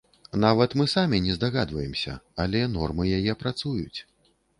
Нават мы самі не здагадваемся, але нормы яе працуюць.